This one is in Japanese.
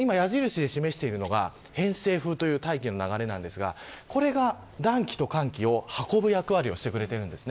この矢印で示してるのが偏西風という大気の流れですがこれが暖気と寒気を運ぶ役割をしています。